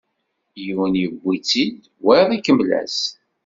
Yiwen iwwi-tt-id, wayeḍ ikemmel-as.